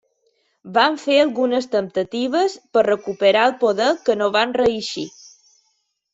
Van fer algunes temptatives per recuperar el poder que no van reeixir.